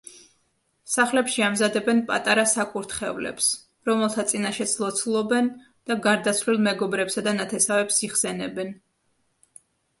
სახლებში ამზადებენ პატარა საკურთხევლებს, რომელთა წინაშეც ლოცულობენ და გარდაცვლილ მეგობრებსა და ნათესავებს იხსენებენ.